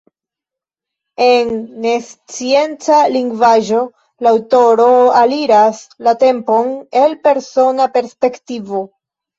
En nescienca lingvaĵo la aŭtoro aliras la temon el persona perspektivo.